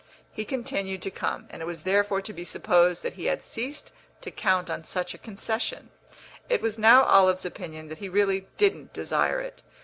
He continued to come, and it was therefore to be supposed that he had ceased to count on such a concession; it was now Olive's opinion that he really didn't desire it.